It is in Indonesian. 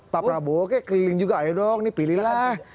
pak prabowo kek keliling juga ayo dong pilihlah